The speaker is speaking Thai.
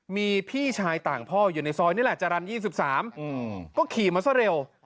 มีพี่ชายต่างพ่ออยู่ในซอยนี่แหละจรรย์๒๓ก็ขี่มาซะเร็ว